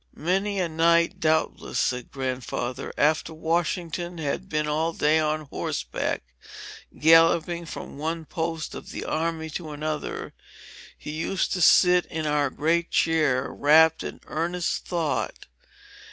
"Many a night, doubtless," said Grandfather, "after Washington had been all day on horseback, galloping from one post of the army to another, he used to sit in our great chair, wrapt in earnest thought.